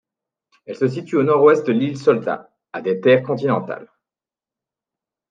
Elle se situe au nord-ouest de l'île Šolta, à des terres continentales.